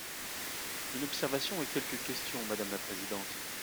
Une observation et quelques questions, madame la présidente.